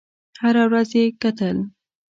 هره ورځ یې کتل.